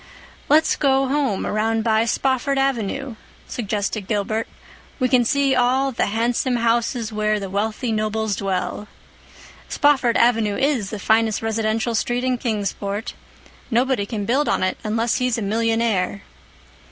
"Let's go home around by Spofford Avenue," suggested Gilbert. "We can see all 'the handsome houses where the wealthy nobles dwell.' Spofford Avenue is the finest residential street in Kingsport. Nobody can build on it unless he's a millionaire."